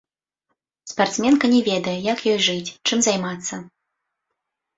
Спартсменка не ведае, як ёй жыць, чым займацца.